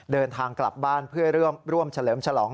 เดินทางกลับบ้านเพื่อร่วมเฉลิมฉลอง